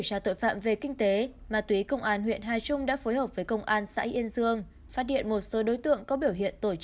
xin chào các bạn